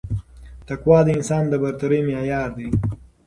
تقوا د انسان د برترۍ معیار دی